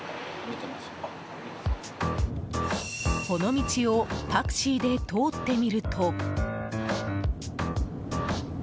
この道をタクシーで通ってみると。